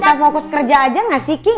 bisa fokus kerja aja gak sih ki